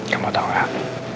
kamu tau nggak